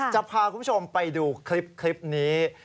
จะพาคุณผู้ชมไปดูคลิปนี้